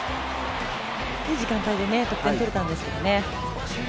いい時間帯に得点取れたんですけどね。